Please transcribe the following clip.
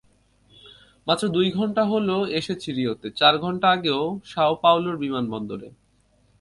মাত্র দুই ঘণ্টা হলো এসেছি রিওতে, চার ঘণ্টা আগে সাও পাওলোর বিমানবন্দরে।